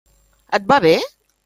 Et va bé?